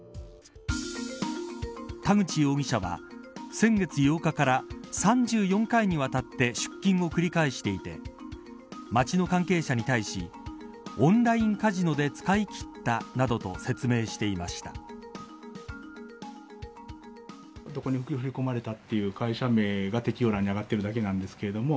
田口容疑者は、先月８日から３４回にわたって出金を繰り返していて町の関係者に対しオンラインカジノで使い切ったなどと説明していました。